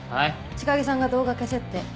千景さんが動画消せって。